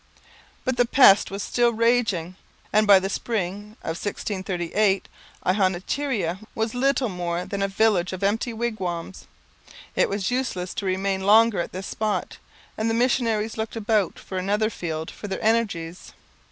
But the pest was still raging, and by the spring of 1638 Ihonatiria was little more than a village of empty wigwams. It was useless to remain longer at this spot, and the missionaries looked about for another field for their energies.